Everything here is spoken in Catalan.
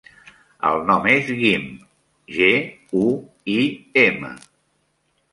El nom és Guim: ge, u, i, ema.